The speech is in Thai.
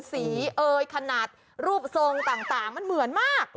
สีคณะรูปโซงต่างมันเหมือนมาก